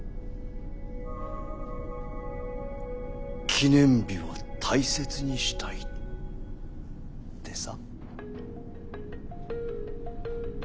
記念日を大切にしたいってさ。